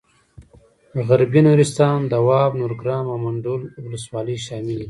غربي نورستان دواب نورګرام او منډول ولسوالۍ شاملې دي.